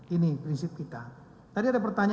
ini prinsip kita